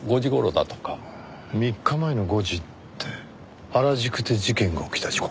３日前の５時って原宿で事件が起きた時刻。